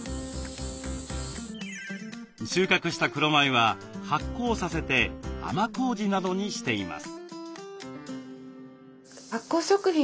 収穫した黒米は発酵させて甘こうじなどにしています。